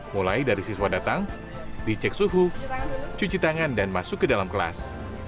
mulai dari siswa datang dicek suhu cuci tangan dan masuk ke dalam kelas